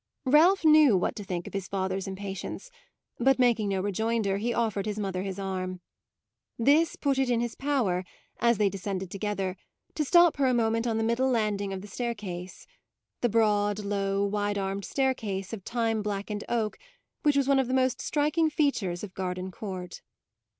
Ralph knew what to think of his father's impatience; but, making no rejoinder, he offered his mother his arm. This put it in his power, as they descended together, to stop her a moment on the middle landing of the staircase the broad, low, wide armed staircase of time blackened oak which was one of the most striking features of Gardencourt.